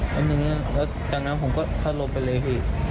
แล้วจากนั้นผมก็สลบไปเลยพี่